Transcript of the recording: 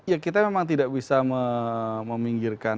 ya kita memang tidak bisa mencari pengetahuan